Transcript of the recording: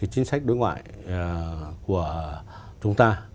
chính sách đối ngoại của chúng ta